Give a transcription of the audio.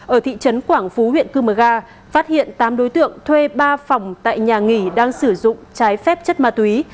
ở thị trấn quảng phú huyện cư mờ ga phát hiện tám đối tượng thuê ba phòng tại nhà nghỉ đang sử dụng trái phép chất ma túy